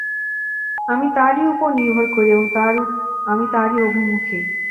আমি তাঁরই উপর নির্ভর করি এবং আমি তারই অভিমুখী।